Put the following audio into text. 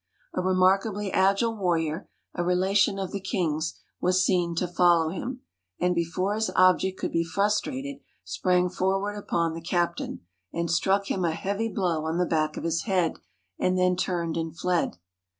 A remarkably agile warrior, a relation of the king's, was seen to follow him, and, before his object could be frus trated, sprang forward upon the captain, and struck him a heavy blow on the back of his head, and then turned and fled.